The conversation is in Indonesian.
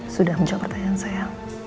sudah menjawab pertanyaan saya